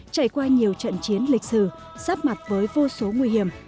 trải qua nhiều trận chiến lịch sử sắp mặt với vô số nguy hiểm